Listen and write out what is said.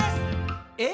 「え？